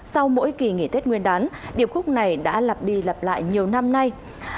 sau mỗi kỳ nghỉ tết nguyên đán điệp khúc này đã lặp đi lặp lại nhiều năm nay